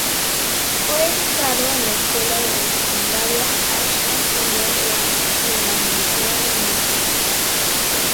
Fue educado en la escuela de secundaria Ashton-under-Lyne y en la Universidad de Mánchester.